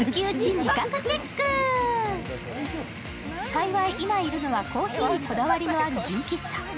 幸い、今いるのはコーヒーにこだわりのある純喫茶。